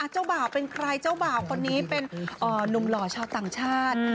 เจ้าบ่าวเป็นใครเจ้าบ่าวคนนี้เป็นนุ่มหล่อชาวต่างชาติ